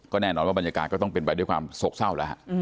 แน่นอนว่าบรรยากาศก็ต้องเป็นไปด้วยความโศกเศร้าแล้วฮะ